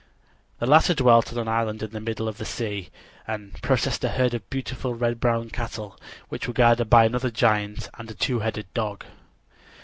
The latter dwelt on an island in the midst of the sea, and possessed a herd of beautiful red brown cattle, which were guarded by another giant and a two headed dog.